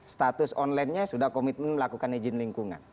status online nya sudah komitmen melakukan izin lingkungan